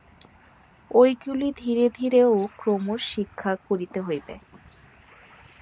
ঐগুলি ধীরে ধীরে ও ক্রমশ শিক্ষা করিতে হইবে।